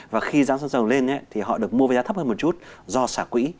và khi giá xăng dầu lên thì họ được mua với giá thấp hơn một chút do xả quỹ